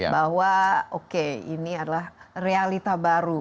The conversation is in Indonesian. bahwa oke ini adalah realita baru